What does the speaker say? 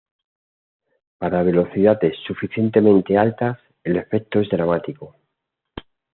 Para velocidades suficientemente altas, el efecto es dramático.